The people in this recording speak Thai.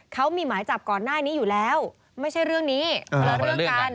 เขามีหมายจับก่อนหน้านี้อยู่แล้วไม่ใช่เรื่องนี้คนละเรื่องกัน